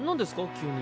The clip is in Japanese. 急に。